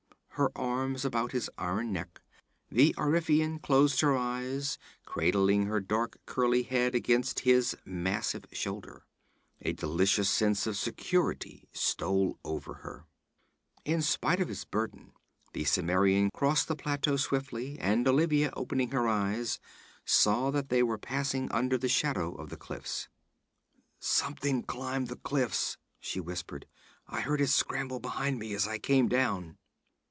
Her arms about his iron neck, the Ophirean closed her eyes, cradling her dark curly head against his massive shoulder. A delicious sense of security stole over her. In spite of his burden, the Cimmerian crossed the plateau swiftly, and Olivia, opening her eyes, saw that they were passing under the shadow of the cliffs. 'Something climbed the cliffs,' she whispered. 'I heard it scrambling behind me as I came down.'